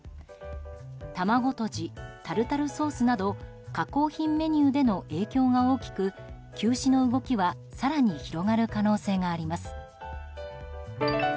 卵とじ、タルタルソースなど加工品メニューでの影響が大きく、休止の動きは更に広がる可能性があります。